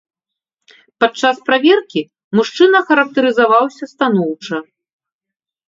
Падчас праверкі мужчына характарызаваўся станоўча.